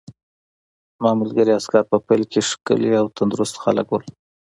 زما ملګري عسکر په پیل کې ښکلي او تندرست خلک وو